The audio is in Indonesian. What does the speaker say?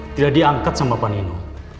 tidak diangkat sama pak nino